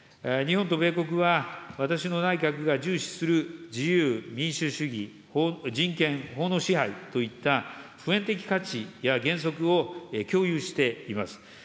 日本と米国は、私の内閣が重視する自由、民主主義、人権、法の支配といった、普遍的価値や原則を共有しています。